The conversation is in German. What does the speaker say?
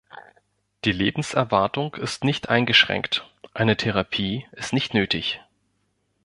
Die Lebenserwartung ist nicht eingeschränkt, eine Therapie ist nicht nötig.